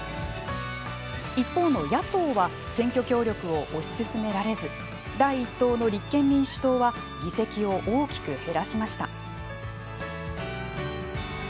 一方の野党は選挙協力を推し進められず第一党の立憲民主党は議席を大きく減らしました。